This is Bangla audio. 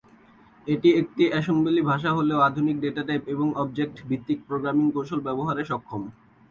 এটি একটি এসেম্বলি ভাষা হলেও আধুনিক ডেটা টাইপ এবং অবজেক্ট ভিত্তিক প্রোগ্রামিং কৌশল ব্যবহারে সক্ষম।